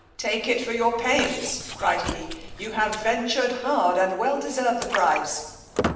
Take it for your pains, cried he, you have ventured hard, and well deserve the prize.